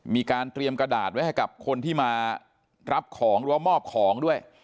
มีการเตรียมกระดาษไว้ให้กับคนที่มารับของหรือว่ามอบของด้วย